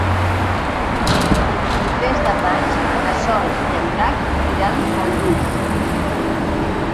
El vint-i-tres de maig na Sol i en Drac iran a Urús.